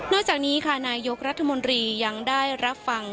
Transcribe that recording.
จากนี้ค่ะนายกรัฐมนตรียังได้รับฟัง